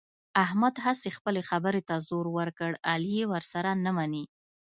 احمد هسې خپلې خبرې ته زور ور کړ، علي یې ورسره نه مني.